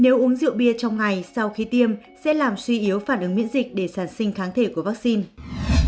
nếu uống rượu bia trong ngày sau khi tiêm sẽ làm suy yếu phản ứng miễn dịch để sản sinh kháng thể của vaccine